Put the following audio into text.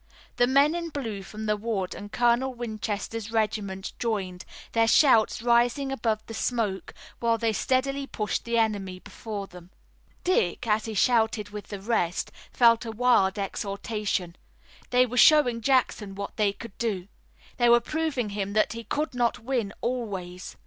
The men in blue from the wood and Colonel Winchester's regiment joined, their shouts rising above the smoke while they steadily pushed the enemy before them. Dick as he shouted with the rest felt a wild exultation. They were showing Jackson what they could do! They were proving to him that he could not win always.